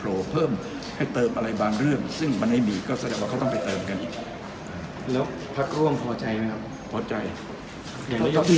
แล้วมาทำแบบมาพิมพิมพ์